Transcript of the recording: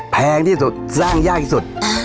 แพงที่สุดสร้างยากสุด